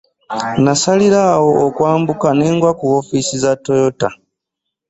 Nasalira awo okwambuka ne ngwa ku woofiisi za Toyota.